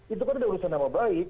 itu kan udah urusan nama baik